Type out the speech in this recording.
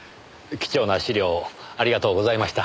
貴重な資料をありがとうございました。